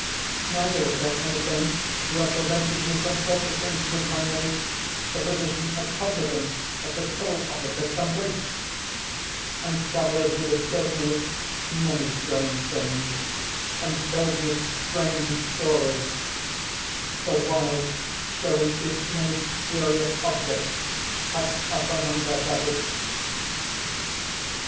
Neither was there anything to have prevented me from purchasing with my money the position of publican at the toll office of some bridge; and travellers would have taught me many strange things, and told me strange stories, the while showing me many curious objects packed up among their baggage....